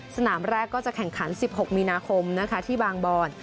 สนามแรกก็จะแข่งขัน๑๖มีนาคมที่บางบอน